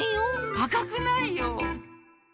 あかくないよ！